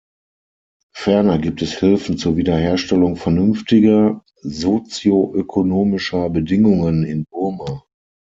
Ferner gibt es Hilfen zur Wiederherstellung vernünftiger sozioökonomischer Bedingungen in Burma.